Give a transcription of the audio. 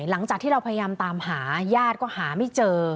หลังจากที่เราพยายามตามหาญาติก็หาไม่เจอ